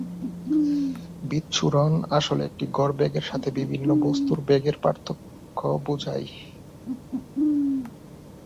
বিচ্ছুরণ আসলে একটি গড় বেগের সাথে বিভিন্ন বস্তুর বেগের পার্থক্য বোঝায়।